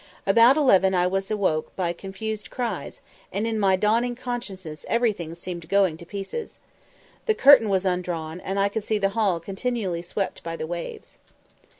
About eleven I was awoke by confused cries, and in my dawning consciousness everything seemed going to pieces. The curtain was undrawn, and I could see the hall continually swept by the waves.